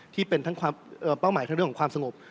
ที่เป็นเป้าหมายทั้งเรื่องของความสงบ